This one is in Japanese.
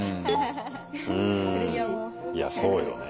いやそうよね。